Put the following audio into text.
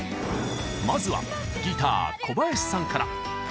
まずはギター小林さんから。